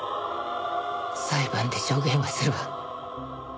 裁判で証言はするわ。